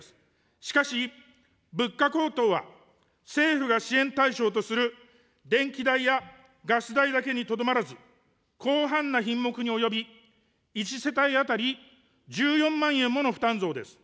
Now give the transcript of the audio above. しかし、物価高騰は政府が支援対象とする電気代やガス代だけにとどまらず、広範な品目に及び、１世帯当たり１４万円もの負担増です。